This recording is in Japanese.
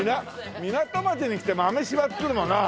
港町に来て豆柴っつうのもな。